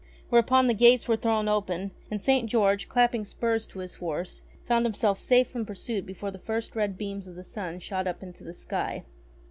Whereupon the gates were thrown open, and St. George, clapping spurs to his horse, found himself safe from pursuit before the first red beams of the sun shot up into the sky.